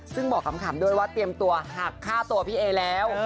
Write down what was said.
ซึ่งบอกขำด้วยว่าเตรียมตัวหักฆ่าตัวพี่เอแล้ว